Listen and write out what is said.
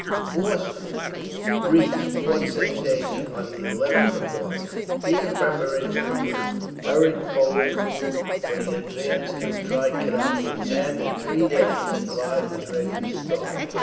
The force reached Fort Saint David on the 11th of March. Here preparations were hurried forward for the advance to Trichinopoli; and, in three days, Clive was ready to start.